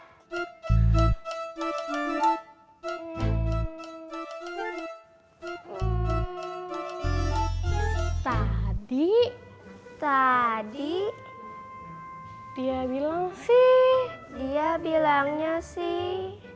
tadi tadi dia bilang sih dia bilangnya sih